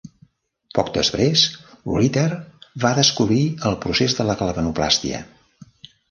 Poc després, Ritter va descobrir el procés de la galvanoplàstia.